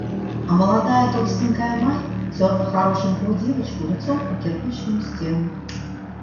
А молодая, толстенькая мать терла хорошенькую девочку лицом о кирпичную стену.